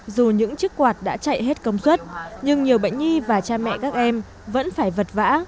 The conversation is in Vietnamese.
dù những chiếc quạt đã chạy hết công suất nhưng nhiều bệnh nhi và cha mẹ các em vẫn phải vật vã